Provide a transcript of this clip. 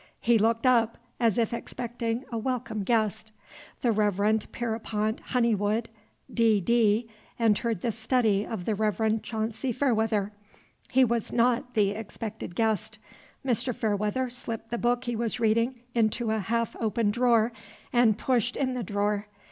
He looked up, as if expecting a welcome guest. The Reverend Pierrepont Honeywood, D. D., entered the study of the Reverend Chauncy Fairweather. He was not the expected guest. Mr. Fairweather slipped the book he was reading into a half open drawer, and pushed in the drawer.